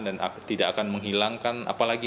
dan tidak akan menghilangkan apalagi